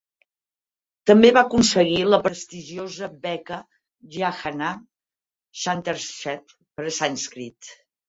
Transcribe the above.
També va aconseguir la prestigiosa Beca Jagannath Shankersheth per a sànscrit.